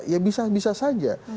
ya bisa bisa saja